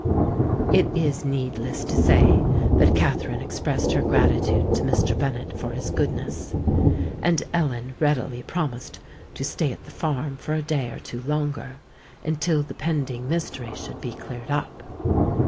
It is needless to say that Katherine expressed her gratitude to Mr. Bennet for his goodness; and Ellen readily promised to stay at the farm for a day or two longer, until the pending mysteries should be cleared up.